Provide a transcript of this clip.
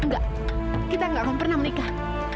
enggak kita gak akan pernah menikah